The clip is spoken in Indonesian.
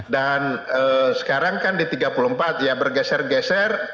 dan sekarang kan di tiga puluh empat ya bergeser geser